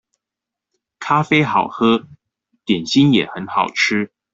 咖啡好喝，點心也很好吃